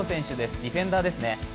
ディフェンダーですね。